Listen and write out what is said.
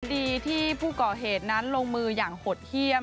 ดีที่ผู้ก่อเหตุนั้นลงมืออย่างหดเยี่ยม